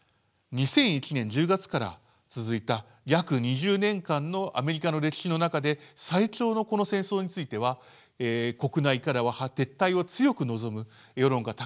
２００１年１０月から続いた約２０年間のアメリカの歴史の中で最長のこの戦争については国内からは撤退を強く望む世論が高まっていました。